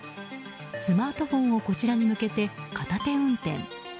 スマートフォンをこちらに向けて片手運転。